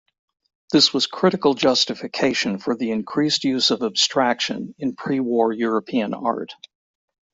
This was critical justification for the increased use of abstraction in pre-war European art.